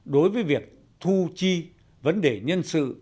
đối với việc thu chi vấn đề nhân sự